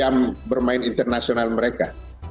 dan menambah jam bermain internasional mereka